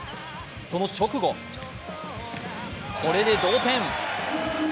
その直後、これで同点。